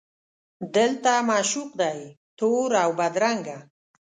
دلته معشوق دی تور اوبدرنګه